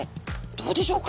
どうでしょうか？